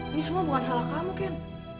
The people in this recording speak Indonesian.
ini semua bukan salah kamu kan